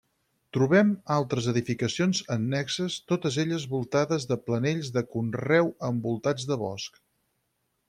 Trobem altres edificacions annexes, totes elles voltades de planells de conreu envoltats de bosc.